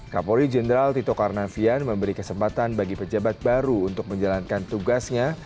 kapolri jenderal tito karnavian memberi kesempatan bagi pejabat baru untuk menjalankan tugasnya